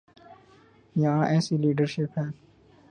یہاں ایسی لیڈرشپ ہے؟